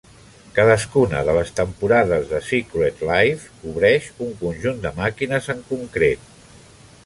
Cadascuna de les temporades de "Secret Life" cobreix un conjunt de màquines en concret.